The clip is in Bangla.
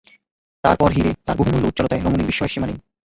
তার পর হীরে, তার বহুমূল্য উজ্জ্বলতায় রমণীর বিস্ময়ের সীমা নেই।